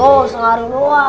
oh setengah hari doang